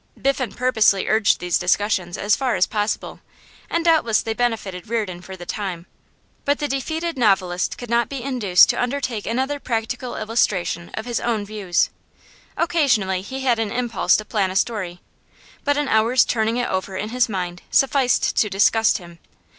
Biffen purposely urged these discussions as far as possible, and doubtless they benefited Reardon for the time; but the defeated novelist could not be induced to undertake another practical illustration of his own views. Occasionally he had an impulse to plan a story, but an hour's turning it over in his mind sufficed to disgust him.